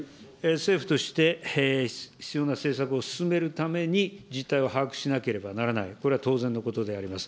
政府として、必要な政策を進めるために、実態を把握しなければならない、これは当然のことであります。